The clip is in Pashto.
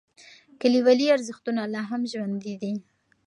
کلیوالي ارزښتونه لا هم ژوندی دي.